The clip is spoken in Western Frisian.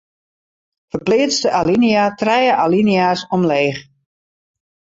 Ferpleats de alinea trije alinea's omleech.